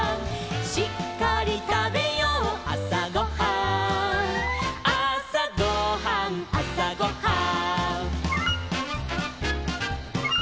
「しっかりたべようあさごはん」「あさごはんあさごはん」